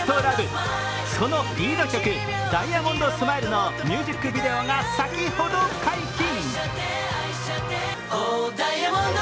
そのリード曲、「ダイヤモンドスマイル」のミュージックビデオが先ほど解禁。